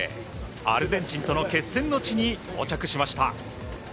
アルゼンチンとの決戦の地に到着しました。